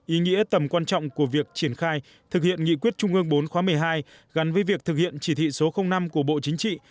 ý nghĩa tầm quan trọng của việc triển khai thực hiện nghị quyết trung ương bốn khóa một mươi hai gắn với việc thực hiện chỉ thị số năm của bộ chính trị